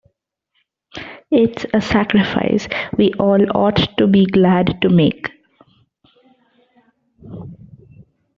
It's a sacrifice we all ought to be glad to make.